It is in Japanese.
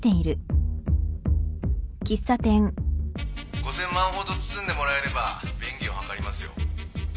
５，０００ 万ほど包んでもらえれば便宜を図りますよ